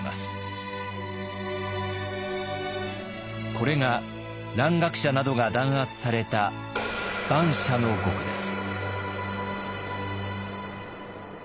これが蘭学者などが弾圧された蛮社の獄です。